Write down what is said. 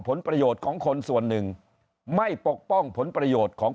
ผลประโยชน์ของคนส่วนหนึ่งไม่ปกป้องผลประโยชน์ของ